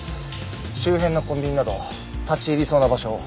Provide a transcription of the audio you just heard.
周辺のコンビニなど立ち入りそうな場所を捜索中です。